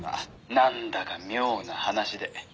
「なんだか妙な話で」